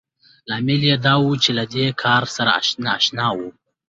لامل يې دا و چې له دې کار سره نااشنا وو.